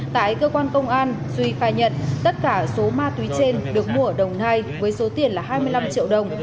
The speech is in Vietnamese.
tại cơ quan công an duy khai nhận tất cả số ma túy trên được mua ở đồng nai với số tiền là hai mươi năm triệu đồng